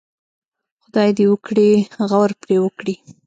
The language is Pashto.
خدای دې وکړي غور پرې وکړي.